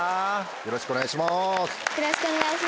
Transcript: よろしくお願いします。